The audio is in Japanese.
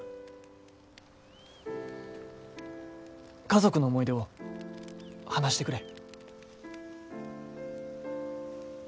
家族の思い出を話してくれ。